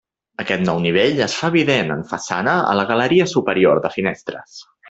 Aquest nou nivell es fa evident en façana a la galeria superior de finestres.